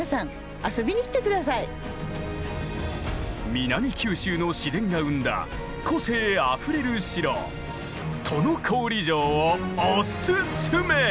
南九州の自然が生んだ個性あふれる城都於郡城をおすすめ！